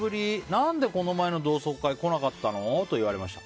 何でこの前の同窓会来なかったの？と言われました。